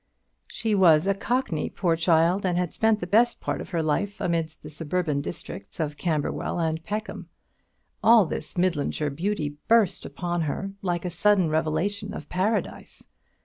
She was a Cockney, poor child, and had spent the best part of her life amidst the suburban districts of Camberwell and Peckham. All this Midlandshire beauty burst upon her like a sudden revelation of Paradise.